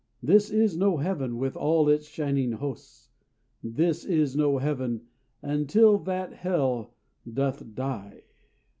This is no heaven, with all its shining hosts! This is no heaven, until that hell doth die!